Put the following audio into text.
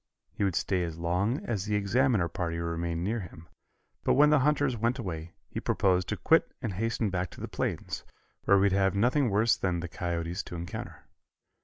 He would stay as long as the Examiner party remained near him, but when the hunters went away he proposed to quit and hasten back to the plains, where he would have nothing worse than the coyotes to encounter.